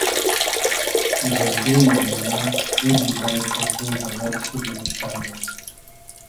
بئلدې نئمونۂ دو دو بݷت از دو غئزئل شی نیمشتۂ مونوم